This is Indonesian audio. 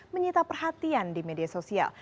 menyita perhatian di media sosial